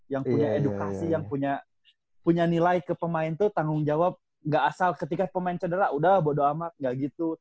yang punya edukasi yang punya nilai ke pemain tuh tanggung jawab gak asal ketika pemain cedera udah bodoh amat gak gitu